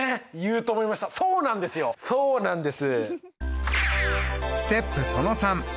そうなんです。